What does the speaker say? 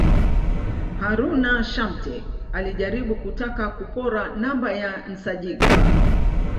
Haruna Shamte alijaribu kutaka kupora namba ya Nsajigwa